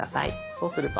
そうすると。